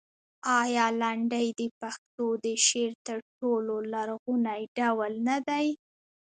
آیا لنډۍ د پښتو د شعر تر ټولو لرغونی ډول نه دی؟